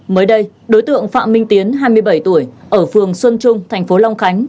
mới đây đối tượng phạm minh tiến hai mươi bảy tuổi ở phường xuân trung thành phố long khánh